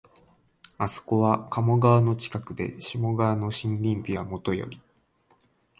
あそこは鴨川の近くで、下鴨の森林美はもとより、